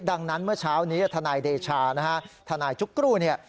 ดังนั้นเมื่อเช้านี้ธนายเดชาธนายจุ๊กรุ๊บ